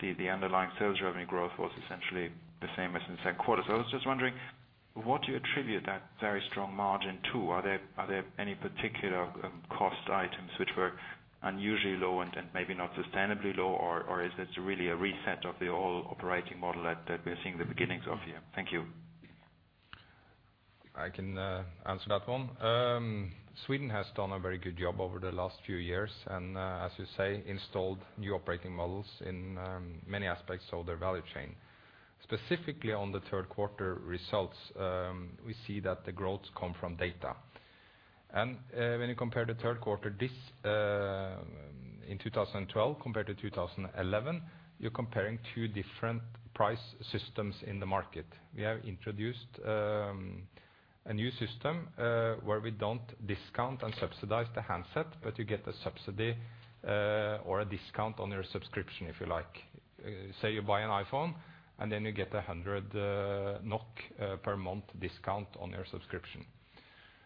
The underlying sales revenue growth was essentially the same as in the second quarter. So I was just wondering, what do you attribute that very strong margin to? Are there any particular cost items which were unusually low and maybe not sustainably low, or is this really a reset of the old operating model that we are seeing the beginnings of here? Thank you. I can answer that one. Sweden has done a very good job over the last few years, and, as you say, installed new operating models in many aspects of their value chain. Specifically on the third quarter results, we see that the growth come from data. And, when you compare the third quarter, this, in 2012 compared to 2011, you're comparing two different price systems in the market. We have introduced a new system, where we don't discount and subsidize the handset, but you get a subsidy, or a discount on your subscription, if you like. Say you buy an iPhone, and then you get 100 NOK per month discount on your subscription.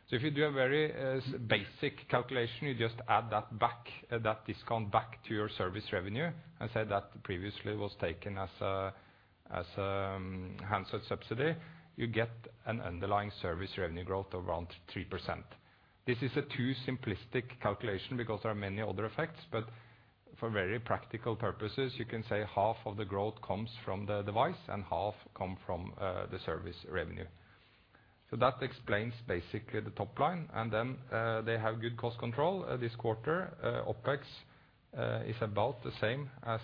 So if you do a very basic calculation, you just add that back, that discount back to your service revenue, and say that previously was taken as a handset subsidy, you get an underlying service revenue growth of around 3%. This is a too simplistic calculation because there are many other effects, but for very practical purposes, you can say half of the growth comes from the device and half come from the service revenue. So that explains basically the top line, and then they have good cost control. This quarter, OpEx is about the same as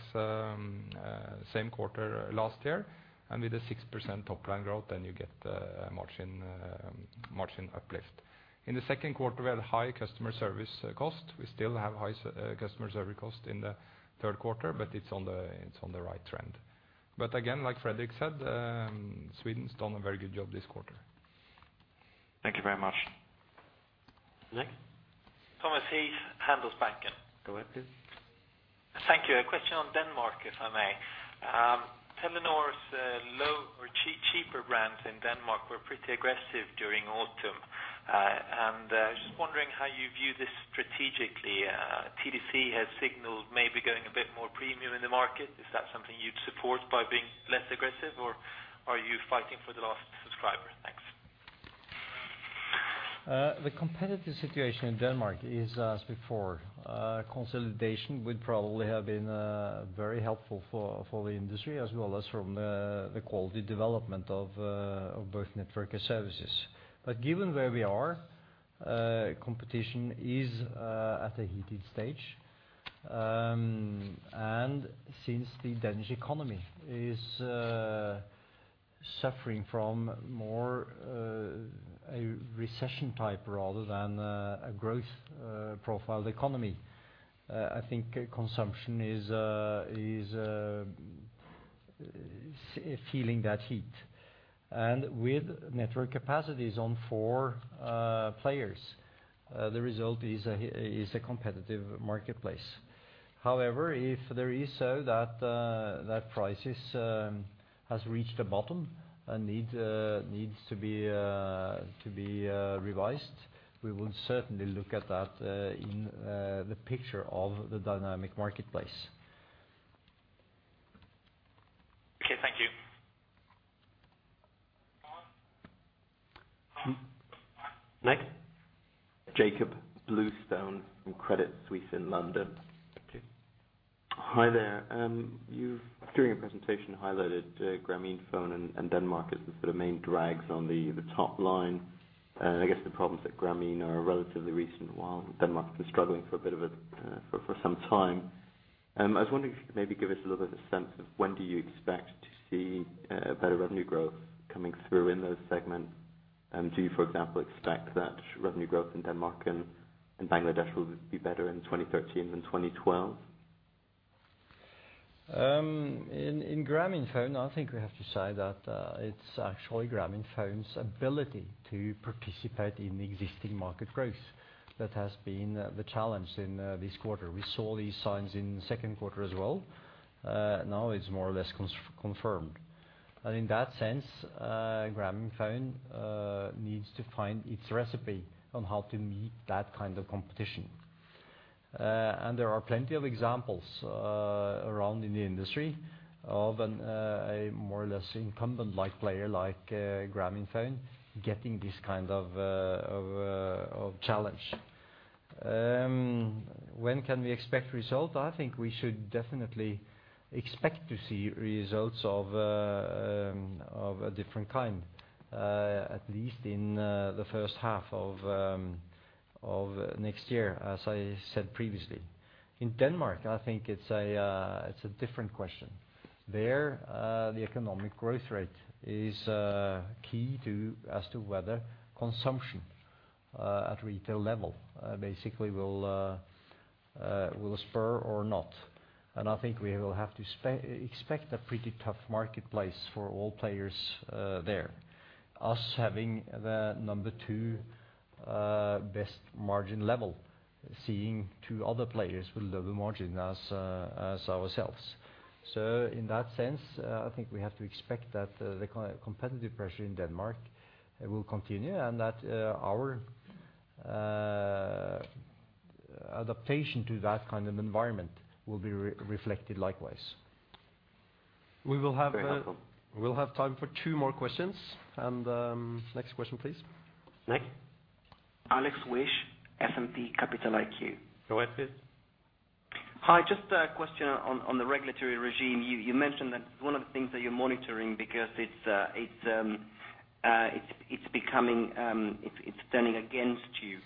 same quarter last year, and with a 6% top line growth, then you get a margin uplift. In the second quarter, we had high customer service cost. We still have high customer service cost in the third quarter, but it's on the right trend. But again, like Fredrik said, Sweden's done a very good job this quarter. Thank you very much. Next? Thomas Heath, Handelsbanken. Go ahead, please. Thank you. A question on Denmark, if I may. Telenor's cheaper brands in Denmark were pretty aggressive during autumn. And just wondering how you view this strategically. TDC has signaled maybe going a bit more premium in the market. Is that something you'd support by being less aggressive, or are you fighting for the last subscriber? Thanks. The competitive situation in Denmark is as before. Consolidation would probably have been very helpful for the industry, as well as from the quality development of both network and services. But given where we are, competition is at a heated stage. And since the Danish economy is suffering from more a recession type rather than a growth profiled economy, I think consumption is feeling that heat. And with network capacities on four players, the result is a competitive marketplace. However, if there is so that prices has reached a bottom and needs to be revised, we will certainly look at that in the picture of the dynamic marketplace. Okay, thank you. Next? Jakob Bluestone from Credit Suisse in London. Go ahead, please. Hi there. You've, during your presentation, highlighted Grameenphone and, and Denmark as the sort of main drags on the, the top line. And I guess the problems at Grameen are relatively recent, while Denmark has been struggling for a bit of a, for, for some time. I was wondering if you could maybe give us a little bit of a sense of when do you expect to see better revenue growth coming through in those segments? And do you, for example, expect that revenue growth in Denmark and, and Bangladesh will be better in 2013 than 2012? In Grameenphone, I think we have to say that it's actually Grameenphone's ability to participate in the existing market growth that has been the challenge in this quarter. We saw these signs in the second quarter as well. Now it's more or less confirmed. And in that sense, Grameenphone needs to find its recipe on how to meet that kind of competition. And there are plenty of examples around in the industry of a more or less incumbent-like player, like Grameenphone, getting this kind of challenge. When can we expect result? I think we should definitely expect to see results of a different kind, at least in the first half of next year, as I said previously. In Denmark, I think it's a different question. There, the economic growth rate is key to, as to whether consumption at retail level basically will spur or not. And I think we will have to expect a pretty tough marketplace for all players there. Us having the number two best margin level, seeing two other players with lower margin as ourselves. So in that sense, I think we have to expect that the competitive pressure in Denmark will continue, and that our adaptation to that kind of environment will be reflected likewise. We will have. Very helpful. We'll have time for two more questions. Next question, please. Next. Alex Wisch, S&P Capital IQ. Go ahead, please. Hi, just a question on the regulatory regime. You mentioned that one of the things that you're monitoring because it's becoming, it's turning against you.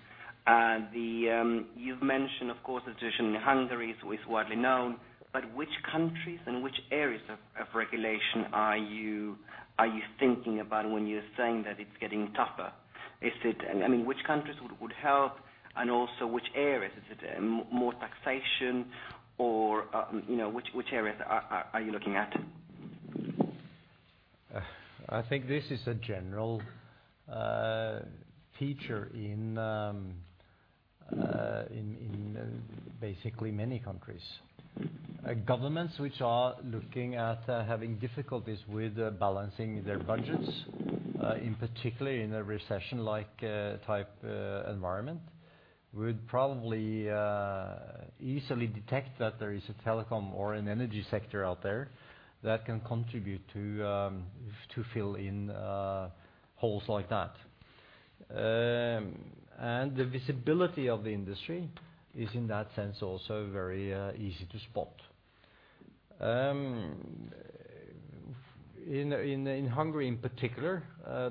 And you've mentioned, of course, the situation in Hungary is widely known, but which countries and which areas of regulation are you thinking about when you're saying that it's getting tougher? Is it... I mean, which countries would help, and also which areas? Is it more taxation or, you know, which areas are you looking at? I think this is a general feature in basically many countries. Governments which are looking at having difficulties with balancing their budgets in particularly in a recession-like type environment would probably easily detect that there is a telecom or an energy sector out there that can contribute to to fill in holes like that. And the visibility of the industry is, in that sense, also very easy to spot. In Hungary in particular,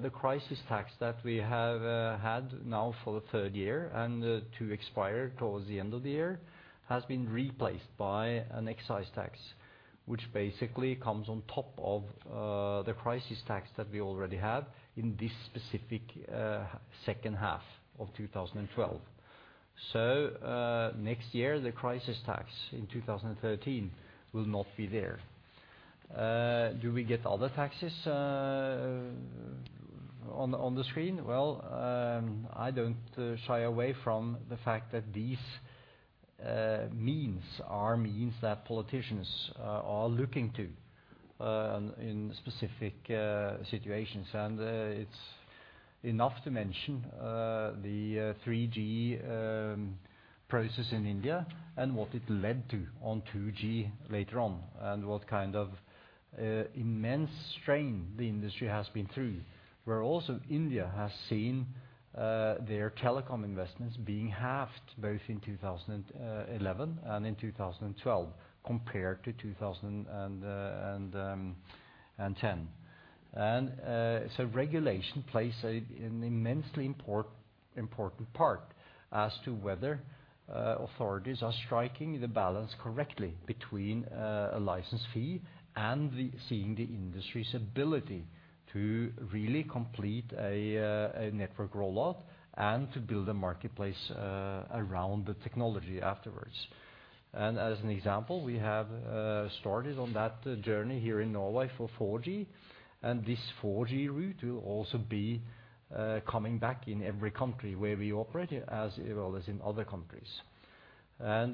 the crisis tax that we have had now for the third year, and to expire towards the end of the year, has been replaced by an excise tax, which basically comes on top of the crisis tax that we already have in this specific second half of 2012. So, next year, the crisis tax in 2013 will not be there. Do we get other taxes, on the screen? Well, I don't shy away from the fact that these means are means that politicians are looking to in specific situations. And, it's enough to mention the 3G process in India and what it led to on 2G later on, and what kind of immense strain the industry has been through. Where also India has seen their telecom investments being halved, both in 2011 and in to 2012 compared to 2010. So regulation plays an immensely important part as to whether authorities are striking the balance correctly between a license fee and seeing the industry's ability to really complete a network rollout and to build a marketplace around the technology afterwards. As an example, we have started on that journey here in Norway for 4G, and this 4G route will also be coming back in every country where we operate, as well as in other countries. The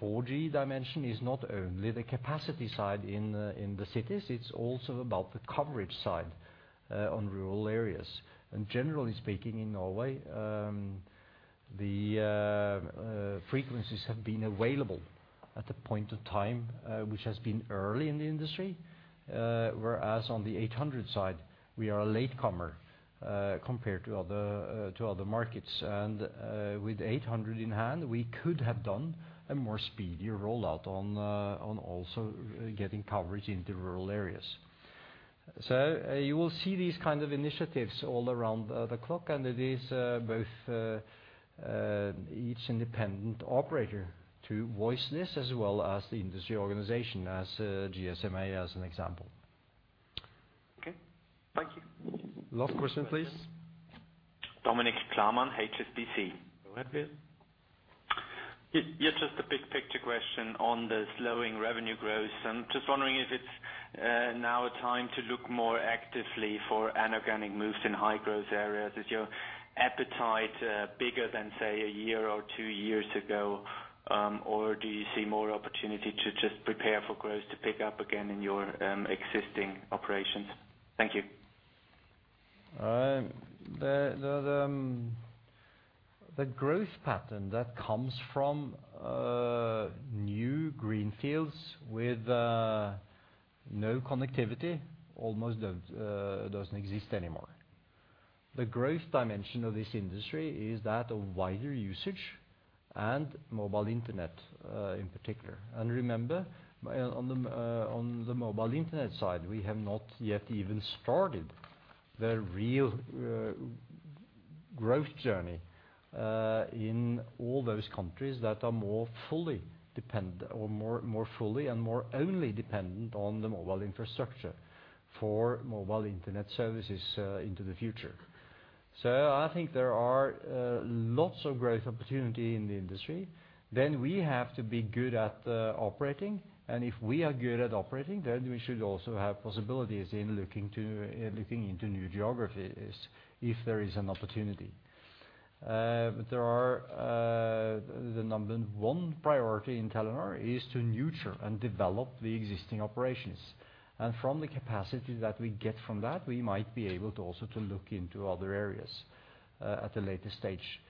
4G dimension is not only the capacity side in the cities, it's also about the coverage side on rural areas. Generally speaking, in Norway, the frequencies have been available at the point of time which has been early in the industry. Whereas on the 800 side, we are a latecomer compared to other markets. And with 800 in hand, we could have done a more speedier rollout on also getting coverage in the rural areas. So you will see these kind of initiatives all around the clock, and it is both each independent operator to voice this, as well as the industry organization, as GSMA, as an example. Okay, thank you. Last question, please. Dominik Klarmann, HSBC. Go ahead, please. Yes, just a big picture question on the slowing revenue growth. I'm just wondering if it's now a time to look more actively for inorganic moves in high-growth areas. Is your appetite bigger than, say, a year or two years ago? Or do you see more opportunity to just prepare for growth to pick up again in your existing operations? Thank you. The growth pattern that comes from new greenfields with no connectivity almost doesn't exist anymore. The growth dimension of this industry is that of wider usage and mobile internet in particular. And remember, on the mobile internet side, we have not yet even started the real growth journey in all those countries that are more fully depend-- or more, more fully and more only dependent on the mobile infrastructure for mobile internet services into the future. So I think there are lots of growth opportunity in the industry. Then we have to be good at operating, and if we are good at operating, then we should also have possibilities in looking to looking into new geographies if there is an opportunity. But there are the number one priority in Telenor is to nurture and develop the existing operations, and from the capacity that we get from that, we might be able to also to look into other areas at a later stage.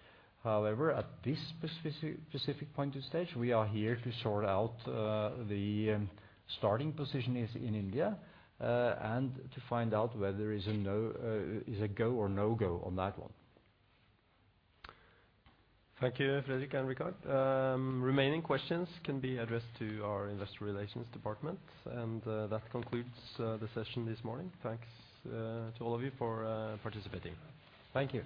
However, at this specific, specific point of stage, we are here to sort out the starting position is in India, and to find out whether there is a go or no-go on that one. Thank you, Fredrik and Richard Aa. Remaining questions can be addressed to our investor relations department, and that concludes the session this morning. Thanks to all of you for participating. Thank you.